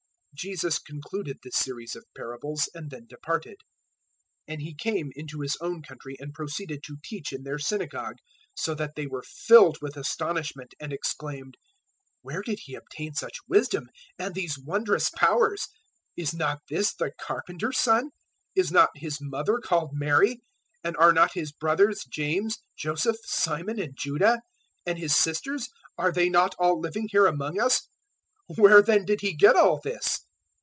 013:053 Jesus concluded this series of parables and then departed. 013:054 And He came into His own country and proceeded to teach in their synagogue, so that they were filled with astonishment and exclaimed, "Where did he obtain such wisdom, and these wondrous powers? 013:055 Is not this the carpenter's son? Is not his mother called Mary? And are not his brothers, James, Joseph, Simon and Judah? 013:056 And his sisters are they not all living here among us? Where then did he get all this?"